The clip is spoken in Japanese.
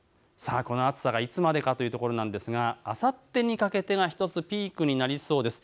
この暑さがいつまでかというところなんですが、あさってにかけてが１つピークになりそうです。